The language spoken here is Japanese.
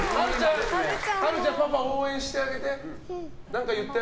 遥琉ちゃんパパを応援してあげて。